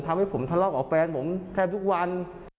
ทำให้ผมทะเลาะกับแฟนผมแทบทุกวัน